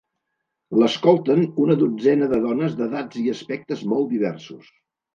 L'escolten una dotzena de dones d'edats i aspectes molt diversos.